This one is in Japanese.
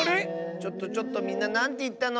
ちょっとちょっとみんななんていったの？